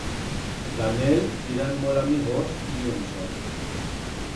Dan ell yéram molt amigos, y en som.